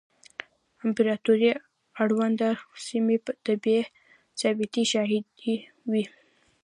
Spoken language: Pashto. امپراتورۍ اړونده سیمې د بې ثباتۍ شاهدې وې